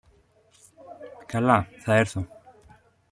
Καλά, θα έρθω.